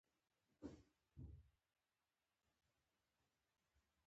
دی تر دې وروستیو پورې لا په مکه کې و.